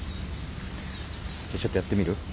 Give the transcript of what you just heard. ちょっとやってみる？